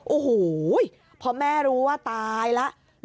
โอ้โหพอแม่รู้ว่าตายแล้ว